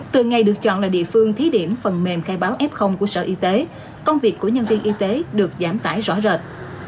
từ ngày được chọn là địa phương thí điểm phần mềm khai báo f của sở y tế công việc của nhân viên y tế được giảm tải rõ rệt